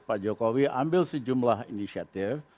pak jokowi ambil sejumlah inisiatif